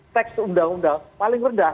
teks undang undang paling rendah